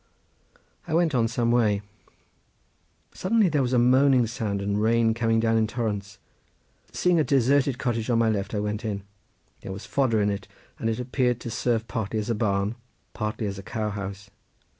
I went on some way. Suddenly there was a moaning sound, and rain came down in torrents. Seeing a deserted cottage on my left I went in. There was fodder in it, and it appeared to serve partly as a barn, partly as a cowhouse.